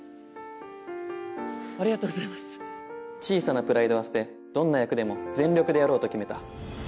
小さなプライドは捨てどんな役でも全力でやろうと決めた